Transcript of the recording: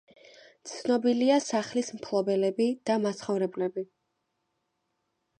ცნობილია სახლის მფლობელები და მაცხოვრებლები.